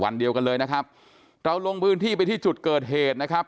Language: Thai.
วันเดียวกันเลยนะครับเราลงพื้นที่ไปที่จุดเกิดเหตุนะครับ